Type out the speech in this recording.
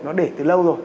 nó để từ lâu rồi